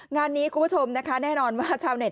งานนี้คุณผู้ชมนะคะแน่นอนว่าชาวเต็